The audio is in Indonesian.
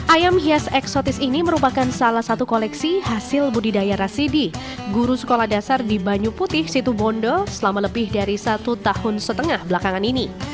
ayam hias eksotis ini merupakan salah satu koleksi hasil budidaya rasidi guru sekolah dasar di banyu putih situbondo selama lebih dari satu tahun setengah belakangan ini